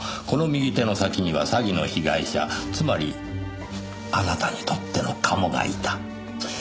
この右手の先には詐欺の被害者つまりあなたにとってのカモがいた。